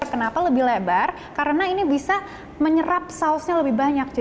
kenapa lebih lebar karena ini bisa menyerap sausnya lebih banyak